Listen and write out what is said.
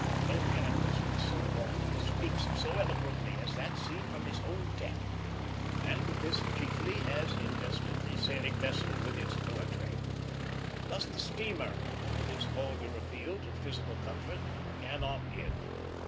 No canvas looks so lofty, speaks so eloquently, as that seen from its own deck, and this chiefly has invested the sailing vessel with its poetry. This the steamer, with its vulgar appeal to physical comfort, cannot give.